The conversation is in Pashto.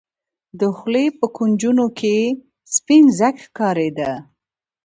د خولې په کونجونو کښې يې سپين ځګ ښکارېده.